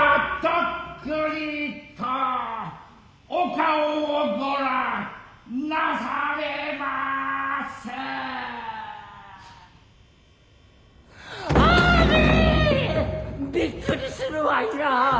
びっくりするわいなぁ。